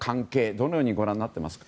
どのようにご覧になっていますか。